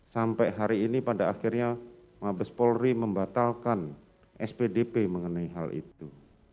sampai hari ini pada akhirnya mabes polri membatalkan spdp mengenai hal itu